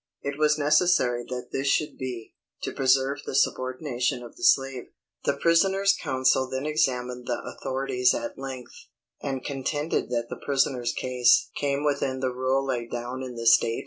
It was necessary that this should be, to preserve the subordination of the slave. The prisoner's counsel then examined the authorities at length, and contended that the prisoner's case came within the rule laid down in The State _v.